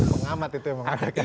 mengamat itu yang mengatakan